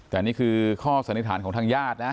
แต่นี่คือข้อสันนิษฐานของทางญาตินะ